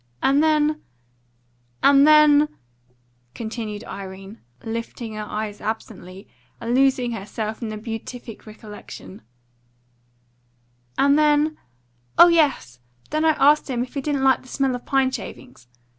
"And then and then " continued Irene, lifting her eyes absently, and losing herself in the beatific recollection, "and then Oh yes! Then I asked him if he didn't like the smell of pine shavings.